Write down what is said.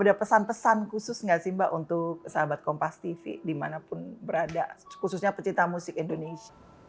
ada pesan pesan khusus nggak sih mbak untuk sahabat kompas tv dimanapun berada khususnya pecinta musik indonesia